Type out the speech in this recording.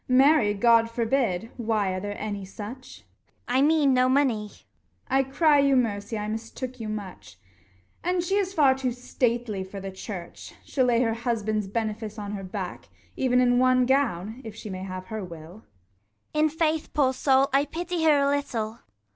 marry, God forbid: why, are there crtseU any such ? Ragan. I mean, no money. Gon. I cry you mercy, I mistook you much : 25 And she is far too stately for the church ; She'll lay her husband's benefice on her back, Even in one gown, if she may have her will. Ragan. In faith, poor soul, I pity her a little.